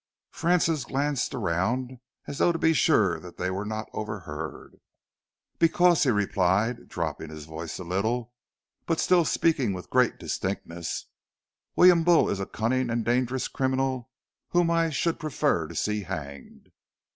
Francis glanced around as though to be sure that they were not overheard. "Because," he replied, dropping his voice a little but still speaking with great distinctness, "William Bull is a cunning and dangerous criminal whom I should prefer to see hanged."